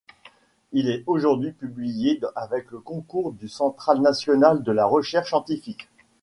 Il est aujourd'hui publié avec le concours du Centre national de la recherche scientifique.